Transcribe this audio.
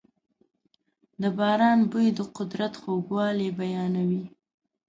د باران بوی د قدرت خوږوالی بیانوي.